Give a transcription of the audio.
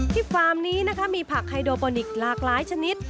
ฟาร์มนี้นะคะมีผักไฮโดโปนิคหลากหลายชนิด